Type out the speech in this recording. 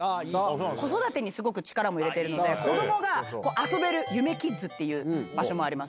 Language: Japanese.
子育てにすごく力も入れているので、子どもが遊べるゆめきっずっていう場所もあります。